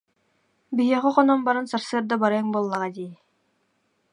Биһиэхэ хонон баран, сарсыарда барыаҥ буоллаҕа дии